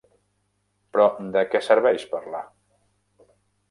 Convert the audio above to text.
Però de què serveix parlar?